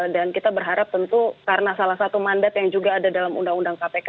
dan kita berharap tentu karena salah satu mandat yang juga ada dalam undang undang kpk